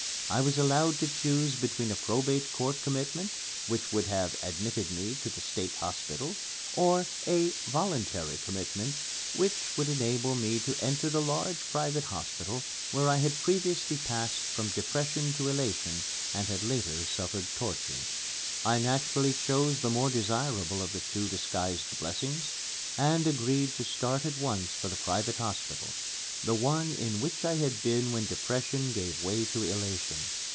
I was allowed to choose between a probate court commitment which would have "admitted me" to the State Hospital, or a "voluntary commitment" which would enable me to enter the large private hospital where I had previously passed from depression to elation, and had later suffered tortures. I naturally chose the more desirable of the two disguised blessings, and agreed to start at once for the private hospital, the one in which I had been when depression gave way to elation.